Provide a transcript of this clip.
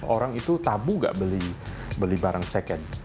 orang itu tabu gak beli barang second